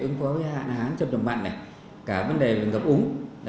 ứng phóng hạn hán trồng trồng mặn này cả vấn đề về ngập úng